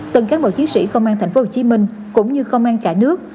từng cán bộ chiến sĩ công an tp hcm cũng như công an cả nước